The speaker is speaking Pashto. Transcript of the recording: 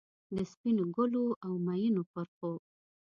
د سپینو ګلو، اومیینو پرخو،